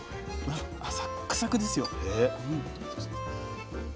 サックサクですよ。